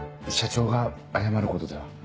社長が謝ることでは。